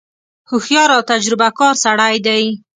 هوښیار او تجربه کار سړی دی.